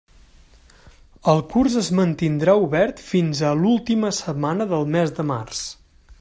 El curs es mantindrà obert fins a l'última setmana del mes de març.